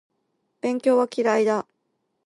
勉強は嫌いだ